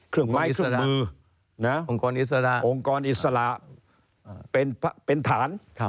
เครื่องไม้เครื่องมือองค์กรอิสระองค์กรอิสระเป็นฐาน